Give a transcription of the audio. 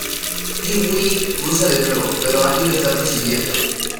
Pee-wee cruza de nuevo, pero Andy lo está persiguiendo.